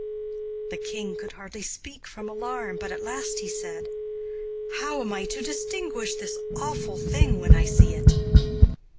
The king could hardly speak from alarm, but at last he said: 'How am I to distinguish this awful thing when I see it?